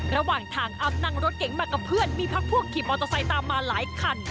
ระหว่างทางอัพนั่งรถเก๋งมากับเพื่อนมีพักพวกขี่มอเตอร์ไซค์ตามมาหลายคัน